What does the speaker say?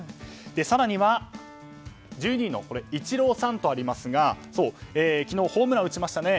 更には、１２位のイチローさんとありますが昨日、ホームランを打ちましたね。